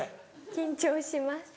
緊張します。